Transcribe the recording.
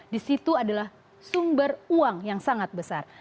di situ adalah sumber uang yang sangat besar